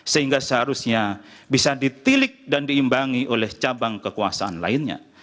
sehingga seharusnya bisa ditilik dan diimbangi oleh cabang kekuasaan lainnya